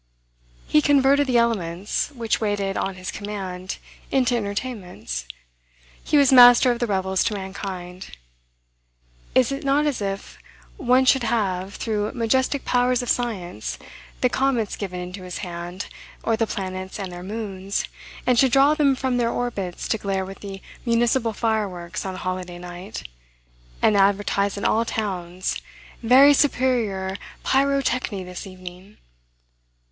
He converted the elements, which waited on his command, into entertainments. He was master of the revels to mankind. Is it not as if one should have, through majestic powers of science, the comets given into his hand, or the planets and their moons, and should draw them from their orbits to glare with the municipal fireworks on a holiday night, and advertise in all towns, "very superior pyrotechny this evening!"